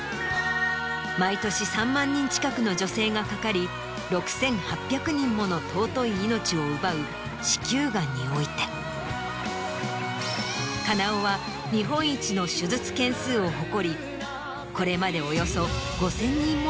毎年３万人近くの女性がかかり６８００人もの尊い命を奪う子宮がんにおいて金尾は日本一の手術件数を誇りこれまで。